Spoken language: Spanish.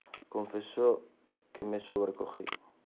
confieso que me sobrecogí.